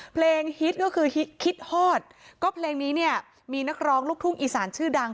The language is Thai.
ฮิตก็คือฮิตฮอดก็เพลงนี้เนี่ยมีนักร้องลูกทุ่งอีสานชื่อดัง